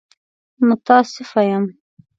متاسفه يم!